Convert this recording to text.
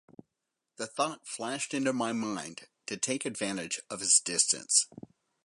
The thought flashed into my mind to take advantage of his distance.